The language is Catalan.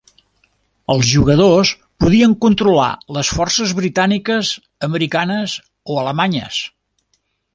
Els jugadors podien controlar les forces britàniques, americanes o alemanyes.